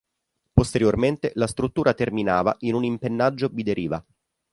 Posteriormente la struttura terminava in un impennaggio bideriva.